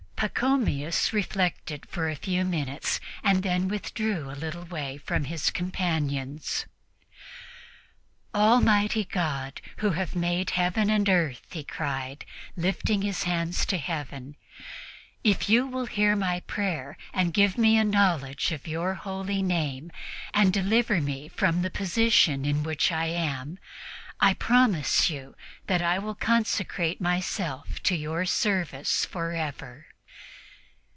Pachomius reflected for a few minutes and then withdrew a little way from his companions. "Almighty God, who have made Heaven and earth," he cried, lifting his hands to Heaven, "if You will hear my prayer and give me a knowledge of Your Holy Name, and deliver me from the position in which I am, I promise You that I will consecrate myself to Your service forever."